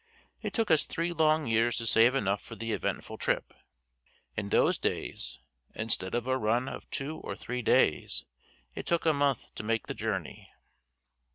It took us three long years to save enough for the eventful trip. In those days, instead of a run of two or three days, it took a month to make the journey.